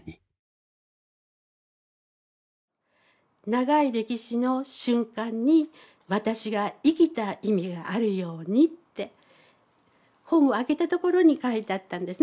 長い歴史の瞬間に私が生きた意味があるようにって本を開けたところに書いてあったんですね